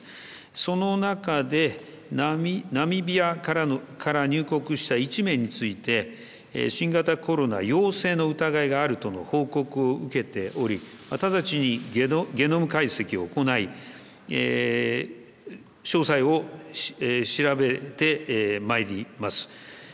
その中でナミビアから入国した１名について新型コロナ陽性の疑いがあるとの報告を受けており直ちにゲノム解析を行い詳細を調べてまいります。